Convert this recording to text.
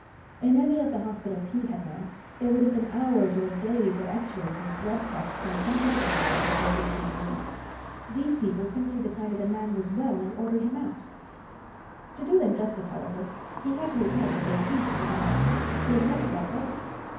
In any of the hospitals he had known, there would have been hours or days of X rays and blood tests and temperature taking before he would be released. These people simply decided a man was well and ordered him out. To do them justice, however, he had to admit that they seemed to be right. He had never felt better.